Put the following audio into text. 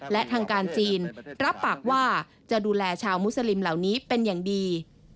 และทางการจีนรับปากว่าจะดูแลชาวมุสลิมเหล่านี้เป็นอย่างดี